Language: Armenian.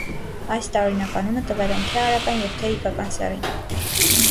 Այս տարօրինակ անունը տվել են թե արական և թե իգական սեռին։